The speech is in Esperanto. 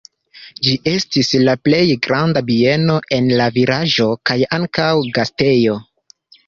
Ĝi estis la plej granda bieno en la vilaĝo kaj ankaŭ gastejo.